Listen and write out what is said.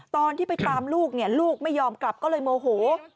ตอนที่ไปตามลูกเนี่ยลูกไม่ยอมกลับก็เลยโมโห